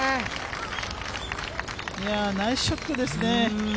ナイスショットですね。